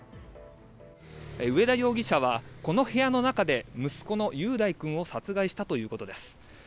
上田容疑者はこの部屋の中で息子の雄大さんを殺害したということです。